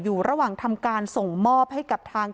อยู่ระหว่างทำการส่งมอบให้กับทาง